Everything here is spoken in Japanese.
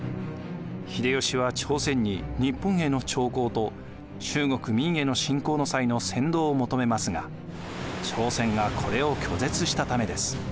秀吉は朝鮮に日本への朝貢と中国・明への侵攻の際の先導を求めますが朝鮮がこれを拒絶したためです。